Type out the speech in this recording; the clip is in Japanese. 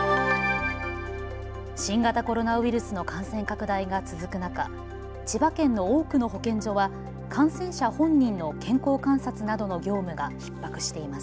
新型コロナウイルスの感染拡大が続く中、千葉県の多くの保健所は感染者本人の健康観察などの業務がひっ迫しています。